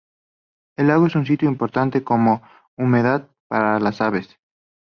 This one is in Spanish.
El lago es un sitio importante como humedal para las aves.